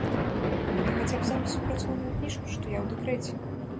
А мне хаця б запіс у працоўную кніжку, што я ў дэкрэце.